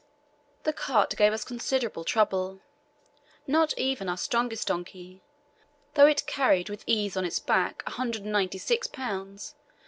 The cart gave us considerable trouble; not even our strongest donkey, though it carried with ease on its back 196 lbs.